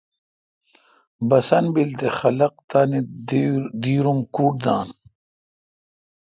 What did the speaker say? بسنت بیل تے خلق تانی دیر ام کُڈ دان۔